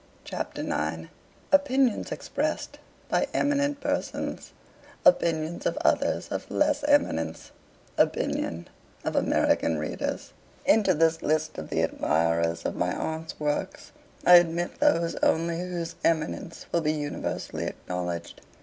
CHAPTER IX. Opinions expressed by eminent persons Opinions of others of less eminence Opinion of American readers. Into this list of the admirers of my Aunt's works, I admit those only whose eminence will be universally acknowledged.